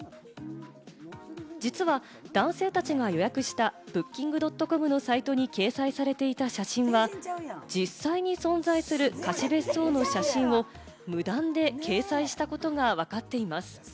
実は、男性たちが予約したＢｏｏｋｉｎｇ．ｃｏｍのサイトに掲載されていた写真は、実際に存在する貸別荘の写真を無断で掲載したことがわかっています。